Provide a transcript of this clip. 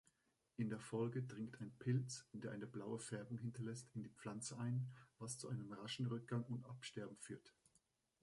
In der Folge dringt ein Pilz, der eine Blaue Färbung hinterlässt in die Pflanze ein, was zu einem raschen Rückgang und Absterben führt.